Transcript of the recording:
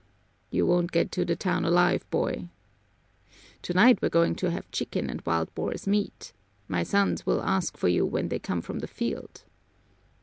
"You won't get to the town alive, boy! Tonight we're going to have chicken and wild boar's meat. My sons will ask for you when they come from the field."